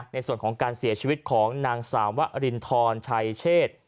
ในส่วนของการเสียชีวิตของนางสาววรินทรชัยเชษ